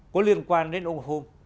có liên quan đến ông hôn